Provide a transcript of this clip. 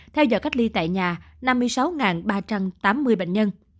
theo dõi cách ly tại nhà năm mươi sáu ba trăm tám mươi bệnh nhân